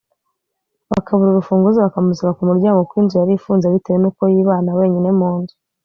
bakabura urufunguzo bakamusiga ku muryango kuko inzu yari ifunze bitewe n’uko yibana wenyine mu nzu